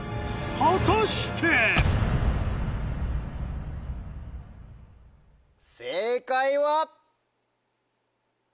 果たして⁉正解は？